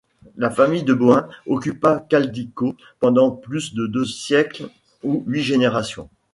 La famille de Bohun occupa Caldicot pendant plus de deux siècles ou huit générations.